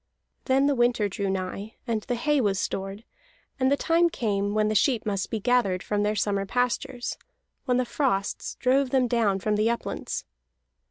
Then the winter drew nigh; and the hay was stored, and the time came when the sheep must be gathered from their summer pastures, when the frosts drove them down from the uplands.